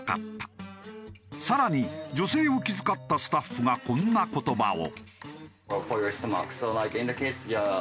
更に女性を気遣ったスタッフがこんな言葉を。